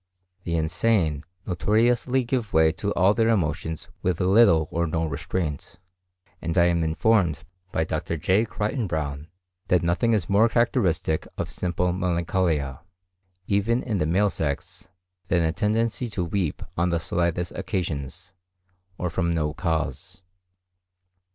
The insane notoriously give way to all their emotions with little or no restraint; and I am informed by Dr. J. Crichton Browne, that nothing is more characteristic of simple melancholia, even in the male sex, than a tendency to weep on the slightest occasions, or from no cause.